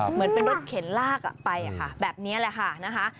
เหมือนเป็นรถเข็นลากไปแบบนี้แหละค่ะนะคะ